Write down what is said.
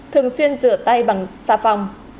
thường xuyên rửa tay bằng xa phòng